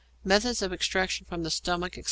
_Method of Extraction from the Stomach, etc.